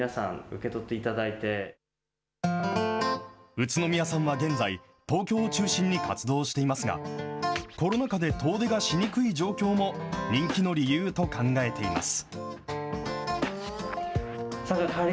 宇都宮さんは現在、東京を中心に活動をしていますが、コロナ禍で遠出がしにくい状況も、人気の理由と考えています。